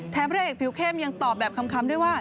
แถมแรกภิกษ์เข้มยังตอบแบบคำด้วยว่า